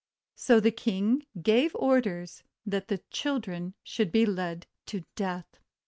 So the King gave orders that the children should be led to their death.